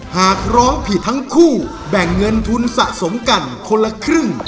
หากร้องผิดทั้งคู่แบ่งเงินทุนสะสมกันคนละครึ่ง